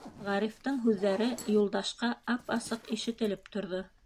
Ғарифтың һүҙҙәре Юлдашҡа ап-асыҡ ишетелеп торҙо.